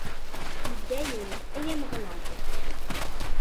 I dayem, ay Ameɣlal!